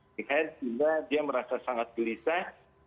bahwa dia merasa sangat gelisah